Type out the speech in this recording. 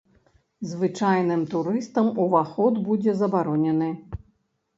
Звычайным турыстам уваход будзе забаронены.